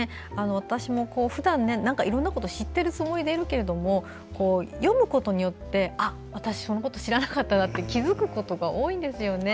私もふだんいろんなことを知っているつもりでいるけど読むことによって私、そのこと知らなかったなって気付くことが多いんですよね。